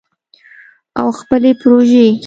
او خپلې پروژې